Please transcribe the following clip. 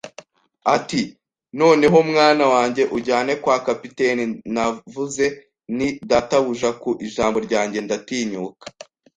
Ati: “Noneho mwana wanjye, unjyane kwa kapiteni.” Navuze nti: “Databuja, ku ijambo ryanjye ndatinyuka